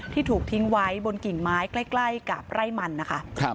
ถูกทิ้งไว้บนกิ่งไม้ใกล้กับไร่มันนะคะ